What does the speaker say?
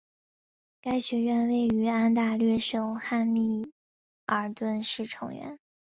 该学院位于安大略省汉密尔顿市成员。